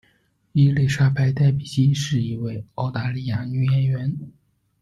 伊莉莎白·戴比基是一位澳大利亚女演员。